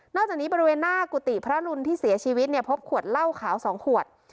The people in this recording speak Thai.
จากนี้บริเวณหน้ากุฏิพระรุนที่เสียชีวิตเนี่ยพบขวดเหล้าขาว๒ขวด